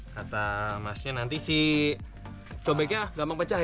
kata masnya nanti si cobeknya gampang pecah ya